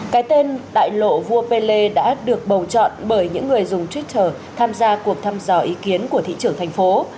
cái tên đại lộ vua pelle đã được bầu chọn bởi những người dùng twitter tham gia cuộc thăm dò ý kiến của thị trưởng thành phố